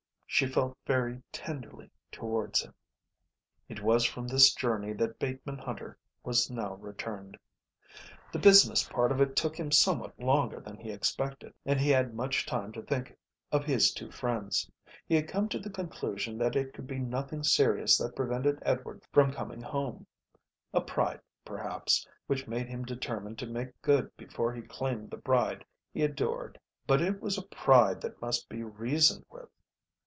She felt very tenderly towards him. It was from this journey that Bateman Hunter was now returned. The business part of it took him somewhat longer than he expected and he had much time to think of his two friends. He had come to the conclusion that it could be nothing serious that prevented Edward from coming home, a pride, perhaps, which made him determined to make good before he claimed the bride he adored; but it was a pride that must be reasoned with.